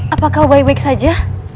apakah baik baik saja